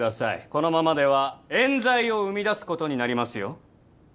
このままではえん罪を生み出すことになりますよ